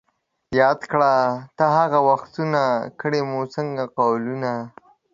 یاد کړه ته هغه وختونه ـ کړي موږ څنګه قولونه